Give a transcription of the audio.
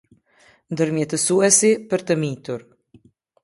Ndërmjetësuesi për të mitur.